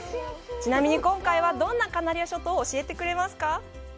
ちなみに今回はどんなカナリア諸島を教えてくれますか？